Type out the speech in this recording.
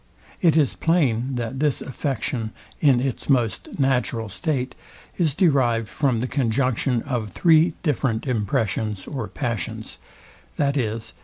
It is plain, that this affection, in its most natural state, is derived from the conjunction of three different impressions or passions, viz.